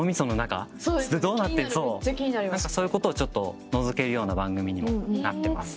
何かそういうことをちょっとのぞけるような番組にもなってます。